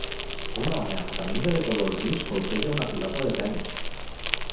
Un home amb camisa de color gris colpeja una pilota de tenis